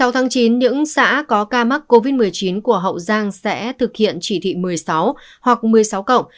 sáu tháng chín những xã có ca mắc covid một mươi chín của hậu giang sẽ thực hiện chỉ thị một mươi sáu hoặc một mươi sáu cộng